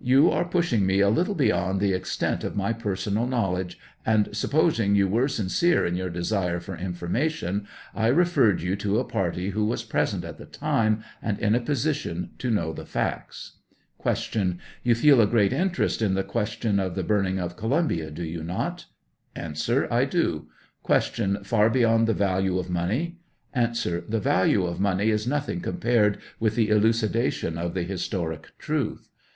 You are pushing me a little beyond the ex tent of my personal knowledge, and, supposing yon were sincere in your desire for information, I referred you to a party who was present at the time, and in a position to know the facts. 96 Q. You feel a great interest in the question of the burning of Columbia, do you not ? A. I do. Q, Par beyond the value of money ? 4 The value o'f money is nothing compared with the elucidation of the historic truth.